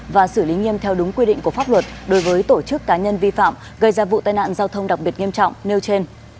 và xử lý nghiêm theo đúng quy định của pháp luật đối với tổ chức cá nhân vi phạm gây ra vụ tai nạn giao thông đặc biệt nghiêm trọng nêu trên